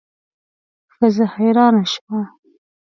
ښځه حیرانه شوه.